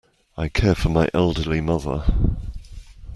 I care for my elderly mother.